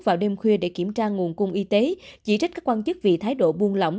vào đêm khuya để kiểm tra nguồn cung y tế chỉ trích các quan chức vì thái độ buôn lỏng